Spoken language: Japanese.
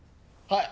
はい。